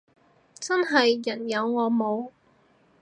真係人有我冇